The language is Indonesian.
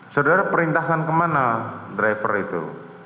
saudara perintahkan kemana driver itu